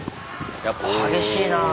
やっぱ激しいなぁ。